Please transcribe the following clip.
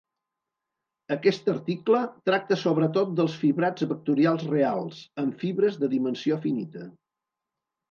Aquest article tracta sobretot dels fibrats vectorials reals, amb fibres de dimensió finita.